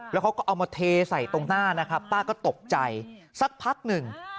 แล้วเขาก็เอามาเทใส่ตรงหน้านะครับป้าก็ตกใจสักพักหนึ่ง